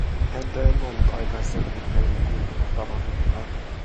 Häntä en ollut aikaisemmin näillä kulmilla tavannutkaan.